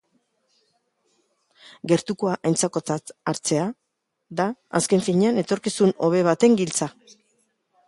Gertukoa aintzakotzat hartzea da, azken finean, etorkizun hobe baten giltza.